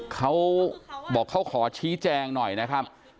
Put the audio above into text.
เขาบอกเขาขอชี้แจงหน่อยนะครับ